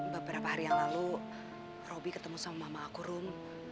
beberapa hari yang lalu roby ketemu sama mama aku rum